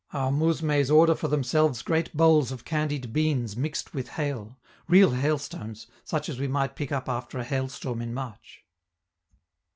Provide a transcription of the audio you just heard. Our mousmes order for themselves great bowls of candied beans mixed with hail real hailstones, such as we might pick up after a hailstorm in March.